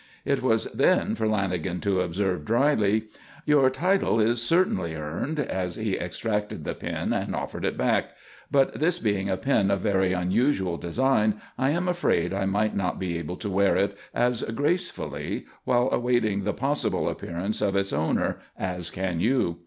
It was then for Lanagan to observe, dryly: "Your title is certainly earned," as he extracted the pin and offered it back. "But this being a pin of very unusual design, I am afraid I might not be able to wear it as gracefully while awaiting the possible appearance of its owner, as can you.